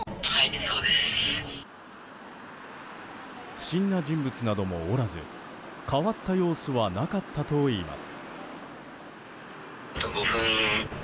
不審な人物などもおらず変わった様子はなかったといいます。